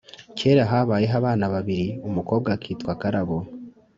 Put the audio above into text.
kera habayeho abana babiri, umukobwa akitwa karabo,